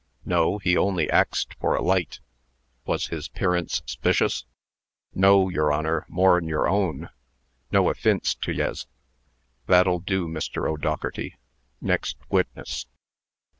"No; he only axed for a light." "Was his 'pearance 'spicious?" "No, yer Honor, more'n yer own. No offince to yez." "That'll do, Mr. O'Dougherty. Next witness."